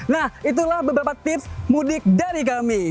nah itulah beberapa tips mudik dari kami